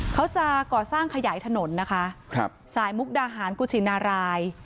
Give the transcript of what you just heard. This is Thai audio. เขาจะก่อสร้างขยายถนนนะคะครับสายมุกดาหารกุชินาราย